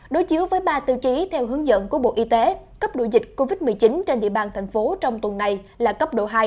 đối chiếu với ba tiêu chí theo hướng dẫn của bộ y tế cấp độ dịch covid một mươi chín trên địa bàn thành phố trong tuần này là cấp độ hai